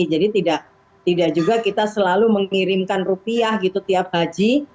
jadi tidak juga kita selalu mengirimkan rupiah gitu tiap haji